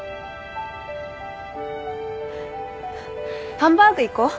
ハンバーグ行こう。